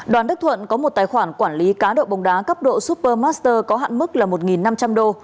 đoàn đức thuận có một tài khoản quản lý cáo độ bóng đá cấp độ supermaster có hạn mức một năm trăm linh đô